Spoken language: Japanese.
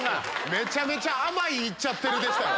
めちゃめちゃ甘い「イッちゃってる」でしたよ。